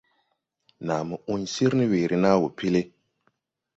Naa mo ‘ũy sir ne weere nàa wɔ pel.